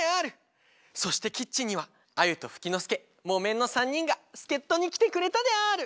そしてキッチンにはアユとフキノスケモメンの３にんがすけっとにきてくれたである！